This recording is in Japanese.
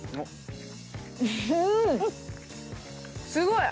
すごい！